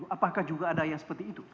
apakah juga ada yang seperti itu